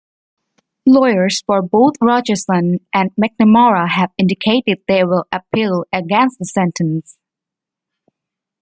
Lawyers for both Rogerson and McNamara have indicated they will appeal against the sentence.